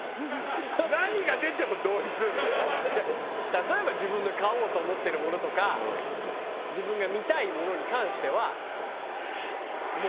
例えば自分の買おうと思ってるものとか自分が見たいものに関しては。